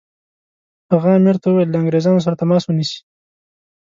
هغه امیر ته وویل له انګریزانو سره تماس ونیسي.